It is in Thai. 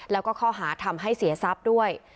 แล้วก็ข้อหาทำให้เสียทรัพย์ด้วย